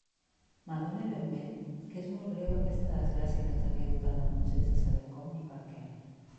M'adone ben bé que és molt greu aquesta desgràcia que ens ha caigut al damunt sense saber com ni per què.